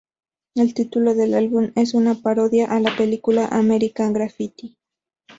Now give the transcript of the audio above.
El título del álbum es una parodia a la película "American Graffiti".